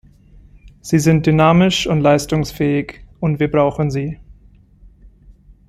Sie sind dynamisch und leistungsfähig, und wir brauchen sie.